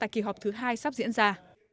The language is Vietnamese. khi điều kiện diễn ra